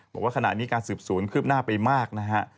บอกว่าขณะนี้การสืบสวนคืบหน้าไปมากนะฮะ